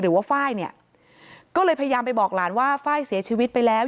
หรือว่าไฟล์เนี่ยก็เลยพยายามไปบอกหลานว่าไฟล์เสียชีวิตไปแล้ว